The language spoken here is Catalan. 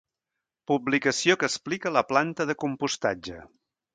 Publicació que explica la planta de compostatge.